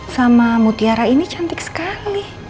sama mutiara ini cantik sekali